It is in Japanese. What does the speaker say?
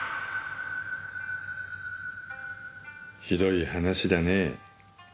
ひどい話だねぇ。